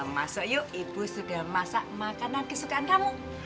masuk yuk ibu sudah masak makanan kesukaan kamu